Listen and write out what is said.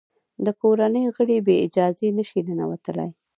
د کورنۍ غړي بې اجازې نه شي ننوتلای.